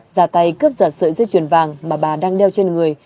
giả tay cướp giật sợi dây chuyền vàng mà bà đang đeo trên người